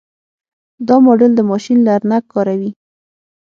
دا ماډل د ماشین لرنګ کاروي.